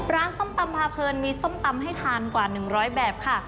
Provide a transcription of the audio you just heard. ส้มตำพาเพลินมีส้มตำให้ทานกว่า๑๐๐แบบค่ะ